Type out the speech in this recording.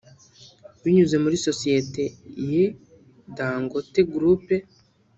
binyuze muri sosiyete ye Dangote Group